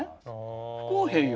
不公平よ。